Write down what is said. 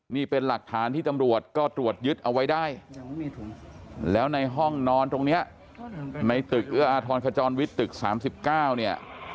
นี่เป็นหลักฐานที่ตำรวจก็ตรวจยึดเอาไว้ได้แล้วในห้องนอนตรงนี้ในตึกเอื้ออาทรขจรวิทย์ตึก๓๙เนี่ย